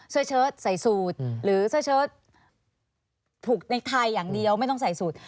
เชิดใส่สูตรหรือเสื้อเชิดถูกในไทยอย่างเดียวไม่ต้องใส่สูตร